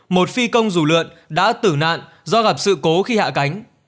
một phi công dù lượn đã tử nạn do gặp sự cố khi hạ cánh